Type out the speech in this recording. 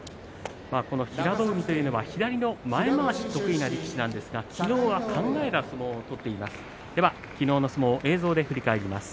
平戸海というのは左の前まわしが得意な力士なんですが昨日は考えた相撲を取っています。